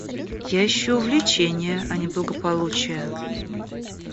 Я ищу увлечения, а не благополучия.